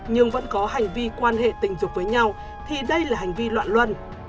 nhưng vẫn có hành vi quan hệ tình dục với nhau thì đây là hành vi loạn luân